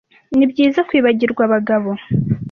nibyiza kwibagirwa abagabo